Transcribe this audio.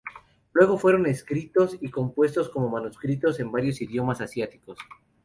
Luego fueron escritos y compuestos como manuscritos en varios idiomas asiáticos.